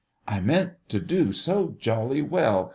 "I meant to do so jolly well.